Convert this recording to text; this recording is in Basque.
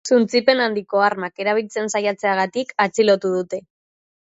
Suntsipen handiko armak erabiltzen saiatzeagatik atxilotu dute.